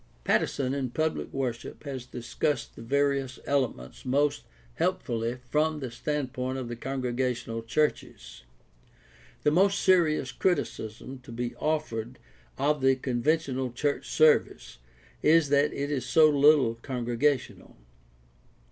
Pattison in Public Worship has discussed the various elements most helpfully from the standpoint of the congregational churches. The most serious criticism to be offered of the conven tional church service is that it is so little congregational.